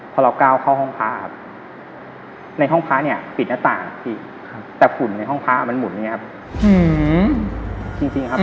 พอเราก้าวเข้าห้องพ้าในห้องพ้าปิดหน้าต่างแต่ฝุ่นในห้องพ้ามันหมุนอย่างนี้ครับ